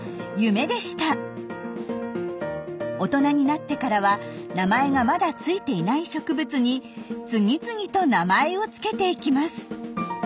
大人になってからは名前がまだ付いていない植物に次々と名前を付けていきます。